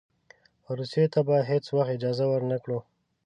روسیې ته به هېڅ وخت اجازه ورنه کړو.